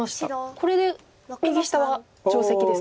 これで右下は定石ですか？